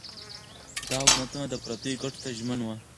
دا حکومتونه د پردیو ګټو ته ژمن وو.